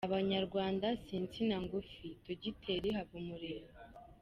Abanyarwanda si insina ngufi - dogiteri. Habumuremyi